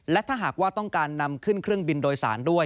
และถ้าหากว่าต้องการนำขึ้นเครื่องบินโดยสารด้วย